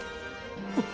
あっ！